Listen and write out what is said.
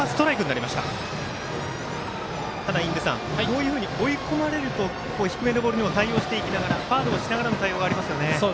こういうふうに追い込まれると低めのボールにも対応していきながら、ファウルをしながらの対応もありますよね。